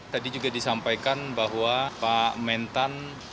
tadi juga disampaikan bahwa pak mentan akan menangkap bapak presiden